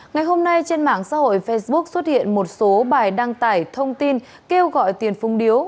ngày hôm nay trên mạng xã hội facebook xuất hiện một số bài đăng tải thông tin kêu gọi tiền phung điếu